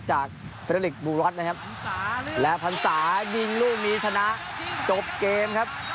จากเซเดอร์ลิกบูรอสนะครับและพรรษายิงลูกนี้ชนะจบเกมครับ